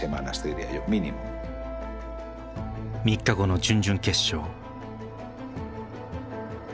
３日後の準々決勝。